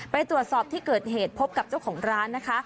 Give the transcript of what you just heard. ไปตรวจสอบที่เกิดเหตุพบกับเจ้าของร้านนะคะ